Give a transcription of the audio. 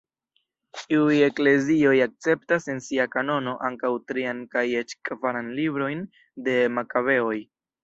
Iuj eklezioj akceptas en sia kanono ankaŭ trian kaj eĉ kvaran librojn de Makabeoj.